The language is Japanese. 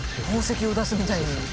宝石を出すみたいに。